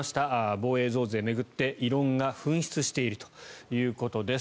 防衛増税を巡って異論が噴出しているということです。